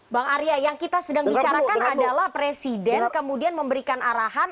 bang arya yang kita sedang bicarakan adalah presiden kemudian memberikan arahan